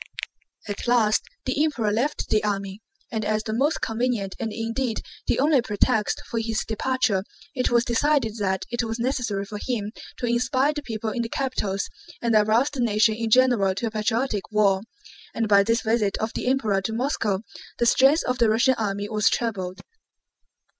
At last the Emperor left the army, and as the most convenient and indeed the only pretext for his departure it was decided that it was necessary for him to inspire the people in the capitals and arouse the nation in general to a patriotic war. And by this visit of the Emperor to Moscow the strength of the Russian army was trebled.